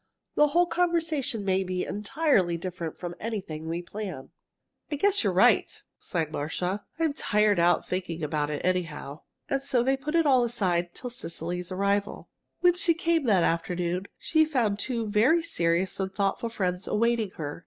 The whole conversation may be entirely different from anything we plan." "I guess you're right," sighed Marcia. "I'm tired out thinking about it, anyhow." And so they put it all aside till Cecily's arrival. When she came, that afternoon, she found two very serious and thoughtful friends awaiting her.